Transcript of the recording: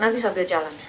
nanti sambil jalan